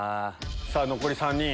さぁ残り３人。